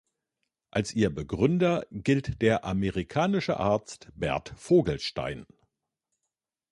Als ihr Begründer gilt der amerikanische Arzt Bert Vogelstein.